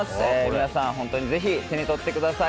皆さん、本当にぜひ手に取ってください。